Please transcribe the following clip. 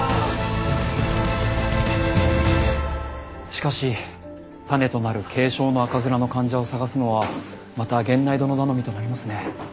しかし種となる軽症の赤面の患者を探すのはまた源内殿頼みとなりますね。